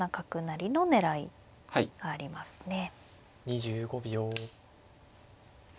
２５秒。